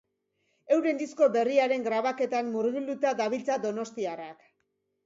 Euren disko berriaren grabaketan murgilduta dabiltza donostiarrak.